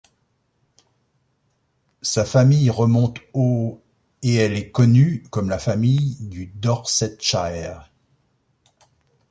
Sa famille remonte au et elle est connue comme la famille du Dorsetshire.